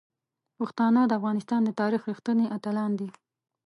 پښتانه د افغانستان د تاریخ رښتیني اتلان دي.